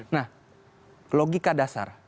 nah logika dasar